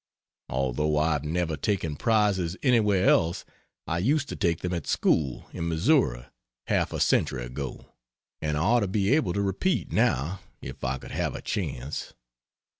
Although I have never taken prizes anywhere else I used to take them at school in Missouri half a century ago, and I ought to be able to repeat, now, if I could have a chance.